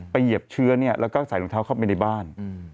เหยียบเชื้อแล้วก็ใส่รองเท้าเข้าไปในบ้าน